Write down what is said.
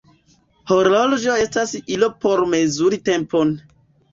Horloĝo estas ilo por mezuri tempon.